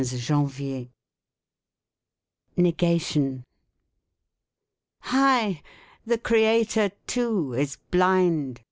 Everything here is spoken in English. (15 j anvier) Negation Hi! The creator too is blind.